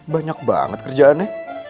banyak banget kerjaannya